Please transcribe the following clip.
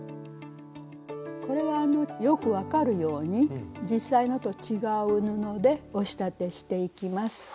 これはよく分かるように実際のと違う布でお仕立てしていきます。